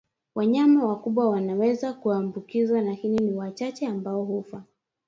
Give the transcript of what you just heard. Wanyama wakubwa wanaweza kuambukizwa lakini ni wachache ambao hufa